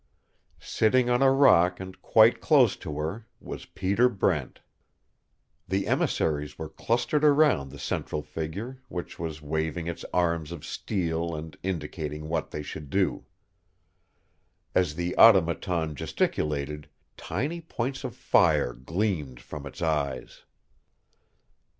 Sitting on a rock and quite close to her was Peter Brent. The emissaries were clustered around the central figure, which was waving its arms of steel and indicating what they should do. As the Automaton gesticulated, tiny points of fire gleamed from its eyes.